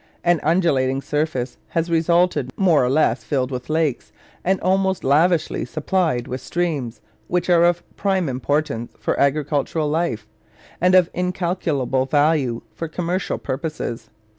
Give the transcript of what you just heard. An undulating surface has resulted, more or less filled with lakes, and almost lavishly supplied with streams, which are of prime importance for agricultural life and of incalculable value for commercial purposes.